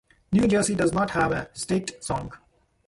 New Jersey does not have a state song.